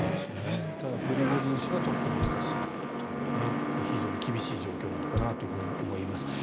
ただ、プリゴジン氏はちょっと難しいという非常に厳しい状況なのかなと思います。